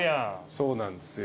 そうなんですよ。